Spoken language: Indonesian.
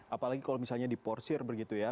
apalagi kalau misalnya diporsir begitu ya